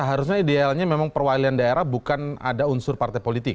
harusnya idealnya memang perwakilan daerah bukan ada unsur partai politik